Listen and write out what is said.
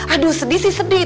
aduh sedih sih sedih